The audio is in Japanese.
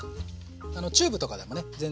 チューブとかでもね全然大丈夫。